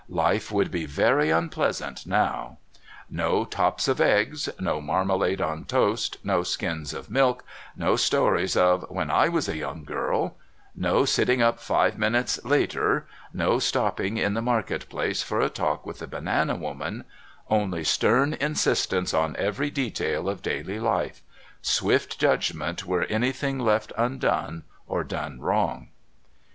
Life would be very unpleasant now. No tops of eggs, no marmalade on toast, no skins of milk, no stories of "when I was a young girl," no sitting up five minutes "later," no stopping in the market place for a talk with the banana woman only stern insistence on every detail of daily life; swift judgment were anything left undone or done wrong.